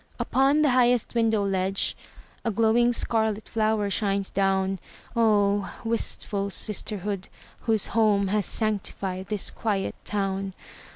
Upon the highest window ledge A glowing scarlet flower shines down. Oh, wistful sisterhood, whose home Has sanctified this quiet town!